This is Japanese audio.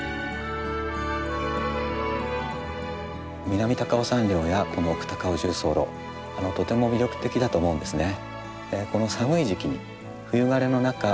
南高尾山稜やこの奥高尾縦走路とても魅力的だと思うんですね。